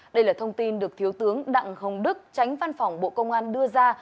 đây là thông tin được thiếu tướng đặng hồng đức tránh văn phòng bộ công an đưa ra